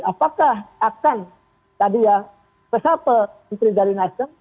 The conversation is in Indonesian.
apakah akan tadi ya reshuffle menteri dari nasdem